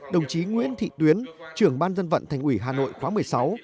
đồng chí nguyễn thị tuyến trưởng ban dân vận thành ủy hà nội khóa một mươi sáu